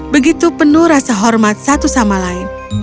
begitu penuh rasa hormat satu sama lain